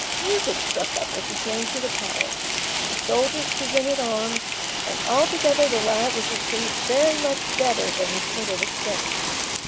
Music struck up as he came to the palace, the soldiers presented arms, and altogether the lad was received very much better than he could have expected.